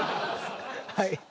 はい。